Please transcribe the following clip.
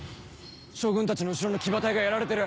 将軍たちの後ろの騎馬隊がやられてる！